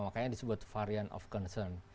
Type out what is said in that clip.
makanya disebut varian of concern